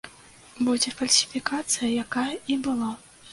Будзе фальсіфікацыя, якая і была.